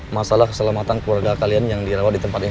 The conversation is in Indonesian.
masalah keselamatan keluarga kalian yang dirawat di tempat ini